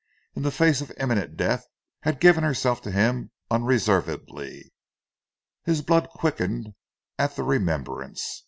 in the face of imminent death, had given herself to him unreservedly. His blood quickened at the remembrance.